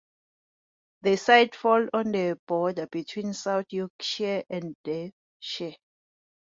The site falls on the border between South Yorkshire and Derbyshire.